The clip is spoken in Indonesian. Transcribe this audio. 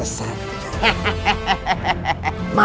dimana kita sekarang berada